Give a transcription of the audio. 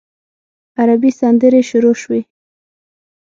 عربي سندرې شروع شوې.